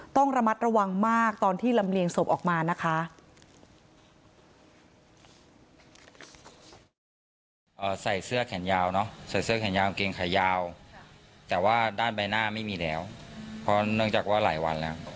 ต้องระมัดระวังมากตอนที่ลำเลียงศพออกมานะคะ